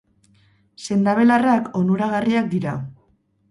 Sendabelarrak onuragarriak dira.